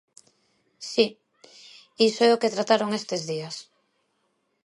Si, iso é o que trataron este días.